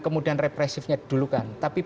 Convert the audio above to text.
kemudian represifnya dulu kan tapi